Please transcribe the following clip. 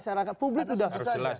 masyarakat publik sudah